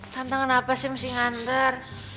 tante kenapa sih mesti nganter